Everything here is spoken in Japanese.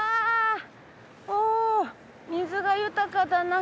おお水が豊かだな。